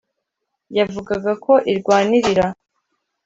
yavugaga ko irwanirira